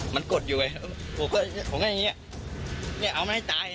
มันกดอยู่เลยผมก็อย่างนี้